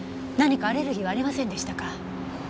何かアレルギーはありませんでしたか？